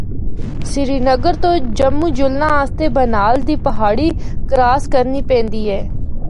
سری نگر تو جموں جلنا آسطے بانہال دی پہاڑی کراس کرنی پیندی اے۔